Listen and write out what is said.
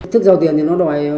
thức giao tiền thì họ đòi